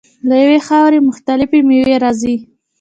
له یوې خاورې مختلفې میوې راځي.